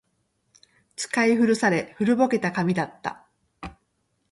使い古され、古ぼけた紙だった